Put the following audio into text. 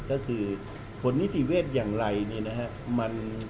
ก็คือผลนิติเวทย์อย่างไรเนี่ยนะครับ